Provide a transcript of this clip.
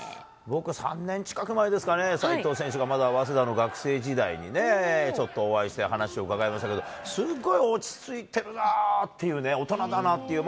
僕は３年近く前ですかね、齋藤選手がまだ早稲田の学生時代にちょっとお会いして、話を伺いましたけど、すっごい落ち着いているなっていう、大人だなっていう。